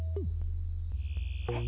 えっ？